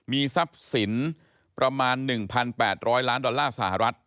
มีทรัพย์สินประมาณ๑๘๐๐ล้านดอลลาร์สหรัฐ